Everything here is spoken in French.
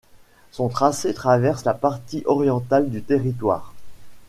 Son tracé traverse la partie orientale du territoire.